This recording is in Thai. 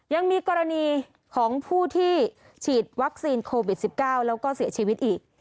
ยังมีกรณีของผู้ที่ฉีดวัคซีนโควิด๑๙แล้วก็เสียชีวิตอีก